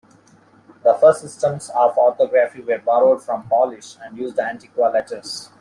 The first systems of orthography were borrowed from Polish and used Antiqua letters.